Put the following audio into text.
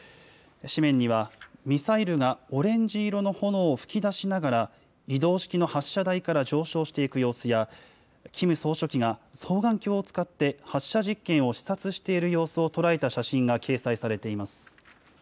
紙面にはミサイルがオレンジ色の炎を噴き出しながら、移動式の発射台から上昇していく様子や、キム総書記が双眼鏡を使って、発射実験を視察している様子を捉えた写真が掲載されています。